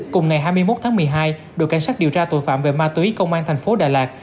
cùng ngày hai mươi một tháng một mươi hai đội cảnh sát điều tra tội phạm về ma túy công an thành phố đà lạt